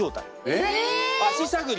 えっ！